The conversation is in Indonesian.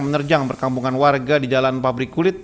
menerjang perkampungan warga di jalan pabrik kulit